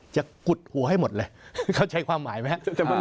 กุดหัวให้หมดเลยเข้าใจความหมายไหมครับ